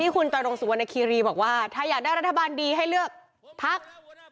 คุณจรรงสุวรรณคีรีบอกว่าถ้าอยากได้รัฐบาลดีให้เลือกพัก